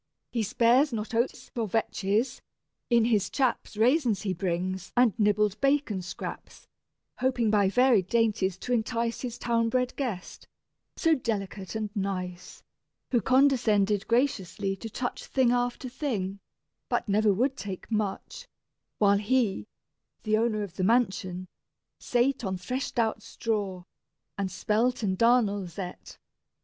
He spares not oats or vetches: in his chaps Raisins he brings and nibbled bacon scraps, Hoping by varied dainties to entice His town bred guest, so delicate and nice, Who condescended graciously to touch Thing after thing, but never would take much, While he, the owner of the mansion, sate On threshed out straw, and spelt and darnels ate.